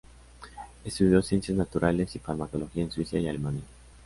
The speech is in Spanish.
Estudió Ciencias Naturales y Farmacología en Suiza y Alemania.